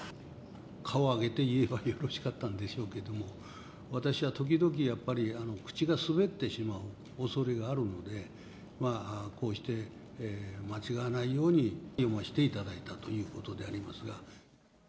顔を上げて言えばよろしかったんでしょうけれども、私は時々、やっぱり口が滑ってしまうおそれがあるので、こうして間違わないように読ませていただいたということでありますが。